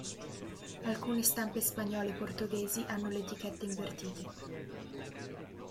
Alcune stampe spagnole e portoghesi hanno le etichette invertite.